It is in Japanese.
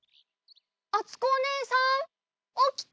あつこおねえさんおきて！